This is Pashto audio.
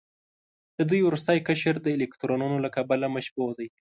د دوی وروستی قشر د الکترونونو له کبله مشبوع دی.